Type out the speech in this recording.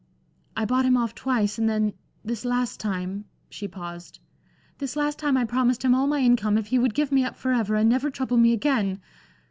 I bought him off twice, and then this last time" she paused "this last time I promised him all my income if he would give me up forever, and never trouble me again.